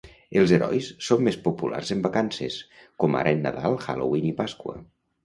Els herois són més populars en vacances, com ara en Nadal, Halloween i Pasqua.